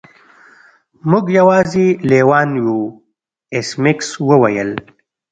موږ یوازې لیوان یو ایس میکس وویل